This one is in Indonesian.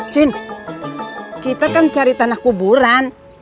cin kita kan cari tanah kuburan